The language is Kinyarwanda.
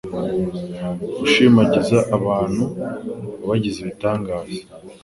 ushimagiza abantu wabagize ibitangaza.